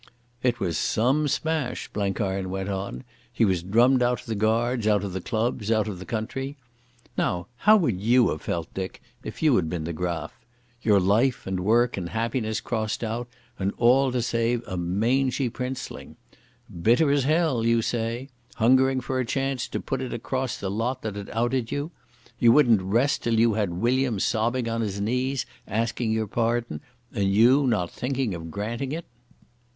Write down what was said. "It was some smash," Blenkiron went on. "He was drummed out of the Guards, out of the clubs, out of the country.... Now, how would you have felt, Dick, if you had been the Graf? Your life and work and happiness crossed out, and all to save a mangy princeling. 'Bitter as hell,' you say. Hungering for a chance to put it across the lot that had outed you? You wouldn't rest till you had William sobbing on his knees asking your pardon, and you not thinking of granting it?